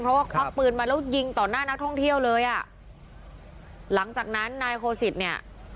เพราะว่าควักปืนมาแล้วยิงต่อหน้านักท่องเที่ยวเลยอ่ะหลังจากนั้นนายโคสิตเนี่ย